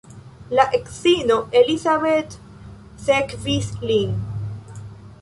La edzino Elizabeth sekvis lin.